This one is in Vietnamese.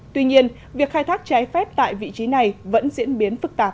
tuy nhiên việc khai thác trái phép tại vị trí này vẫn diễn biến phức tạp